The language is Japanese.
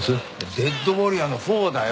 『デッドウォーリア』の４だよ。